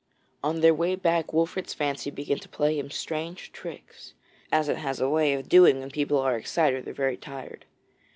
On their way back Wolfert's fancy began to play him strange tricks, as it has a way of doing when people are excited or very tired.